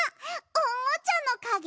おもちゃのかげ？